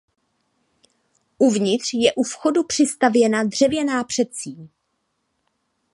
Uvnitř je u vchodu přistavěna dřevěná předsíň.